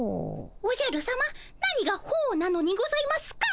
おじゃるさま何が「ほう」なのにございますか？